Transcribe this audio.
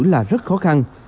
là rất khó khăn